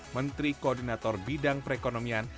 menteri koordinator bidang perekonomian